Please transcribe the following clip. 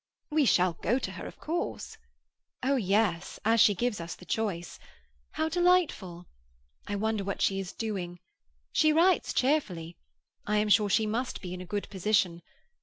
"We shall go to her, of course?" "Oh yes, as she gives us the choice. How delightful! I wonder what she is doing? She writes cheerfully; I am sure she must be in a good position.